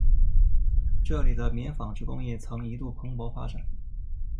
这里的棉纺织工业曾一度蓬勃发展。